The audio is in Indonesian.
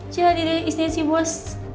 jadi deh istrinya si bos